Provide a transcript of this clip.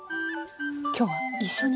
今日は一緒に。